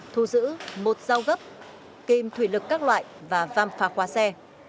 thu giữ một giao gấp kìm thủy lực các loại và vam phạm hóa xe